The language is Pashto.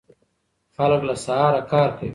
خلک له سهاره کار کوي.